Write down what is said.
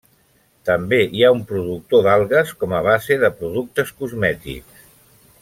També hi ha un productor d'algues com a base de productes cosmètics.